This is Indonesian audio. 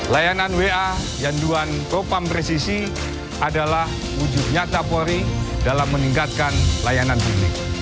layanan wa yanduan propam presisi adalah wujud nyata polri dalam meningkatkan layanan publik